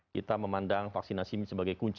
kita memandang vaksinasi sebagai kunci pemulihan ekonomi